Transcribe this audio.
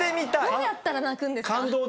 どうやったら泣くんですか？